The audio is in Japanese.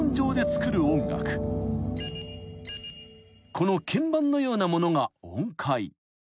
［この鍵盤のようなものが音階］